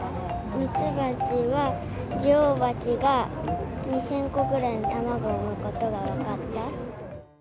蜜蜂は女王蜂が２０００個ぐらいの卵を産むことが分かった。